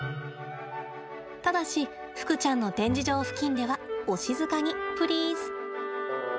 ただしふくちゃんの展示場付近ではお静かに、プリーズ。